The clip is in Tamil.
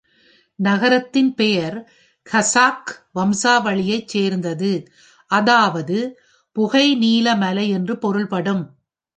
நகரத்தின் பெயர் கசாக் வம்சாவளியைச் சேர்ந்தது, அதாவது "புகை-நீல மலை" என்று பொருள்படும்.